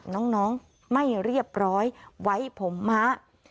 น้องไม่เรียบร้อยไว้ผมม้า